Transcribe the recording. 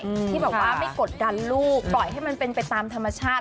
ที่แบบว่าไม่กดดันลูกปล่อยให้มันเป็นไปตามธรรมชาติ